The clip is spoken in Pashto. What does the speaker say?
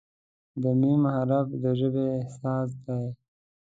د "م" حرف د ژبې اساس دی.